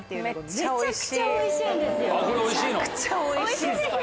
めちゃくちゃおいしいっすこれ。